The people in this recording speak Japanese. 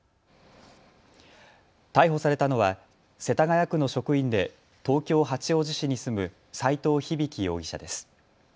逮捕されたのは世田谷区の職員で東京八王子市に住む齋藤響容疑者です。